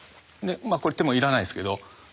手もいらないですけど。